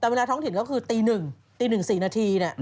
แต่เวลาท้องถิ่นก็คือตี๑ตี๑๔นาที